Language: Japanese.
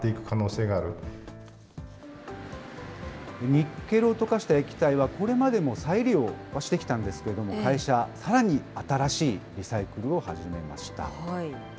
ニッケルを溶かした液体は、これまでも再利用はしてきたんですけれども、会社、さらに新しいリサイクルを始めました。